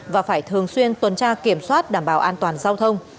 và phải thường xuyên tuần tra kiểm soát đảm bảo an toàn giao thông